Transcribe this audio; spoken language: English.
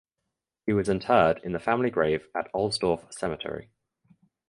He was interred in the family grave at Ohlsdorf Cemetery.